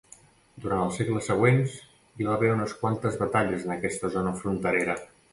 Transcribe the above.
Durant els segles següents hi va haver unes quantes batalles en aquesta zona fronterera.